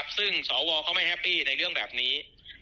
ซึ่งสวเขาไม่แฮปปี้ในเรื่องแบบนี้